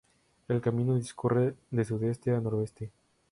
El camino discurre de sudeste a noroeste.